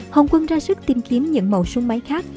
hồng quân ra sức tìm kiếm những mẫu súng máy khác